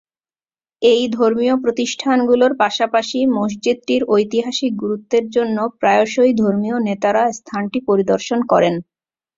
এই ধর্মীয় প্রতিষ্ঠানগুলোর পাশাপাশি মসজিদটির ঐতিহাসিক গুরুত্বের জন্য প্রায়শই ধর্মীয় নেতারা স্থানটি পরিদর্শন করেন।